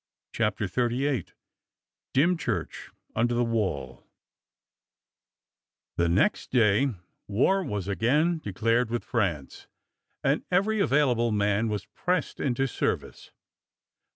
CHAPTER XXXVIII DYMCHURCH UNDER THE WALL THE next day war was again declared with France and every available man was pressed into ser vice.